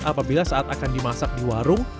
apabila saat akan dimasak di warung